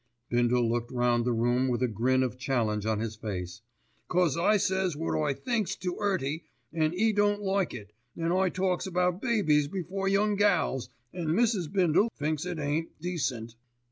Bindle looked round the room with a grin of challenge on his face. "'Cause I says wot I thinks to 'Earty, an' 'e don't like it, an' I talks about babies before young gals, an' Mrs. Bindle thinks it ain't decent.